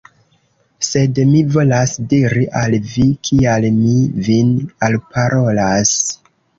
Sed mi volas diri al vi, kial mi vin alparolas.